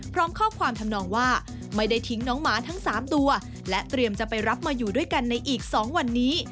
พร้อมข้อความทำนองว่าไม่ได้ทิ้งน้องหมาทั้ง๓ตัวและเตรียมจะไปรับมาอยู่ด้วยกันในอีก๒วันนี้